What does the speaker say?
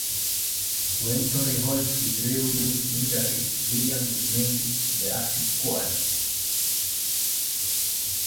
When Torry Holt withdrew due to injury, Williams was named to the active squad.